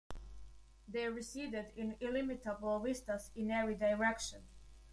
They receded in illimitable vistas in every direction.